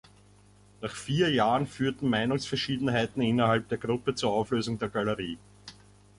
Nach vier Jahren führten Meinungsverschiedenheiten innerhalb der Gruppe zur Auflösung der Galerie.